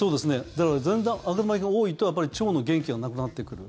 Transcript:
だから、悪玉菌が多いと腸の元気がなくなってくる。